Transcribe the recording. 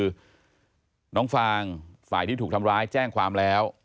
คือน้องฟางฝ่ายที่ถูกทำร้ายแจ้งความแล้ว